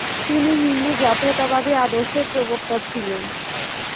তিনি হিন্দু জাতীয়তাবাদী আদর্শের প্রবক্তা ছিলেন।